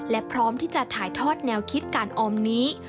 และพร้อมที่จะถ่ายทอดแนวคิดการออมนี้